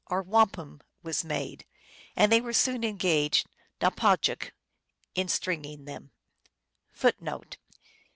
or wampum, was made, 1 and they were soon engaged napawcjik (in stringing them).